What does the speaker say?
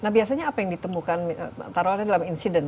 nah biasanya apa yang ditemukan taruh ada dalam incident